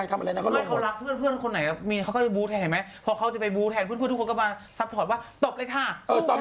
แต่ก่อนนี้ส่วนคนดูป่าไดงั้นก็เลยจบไวน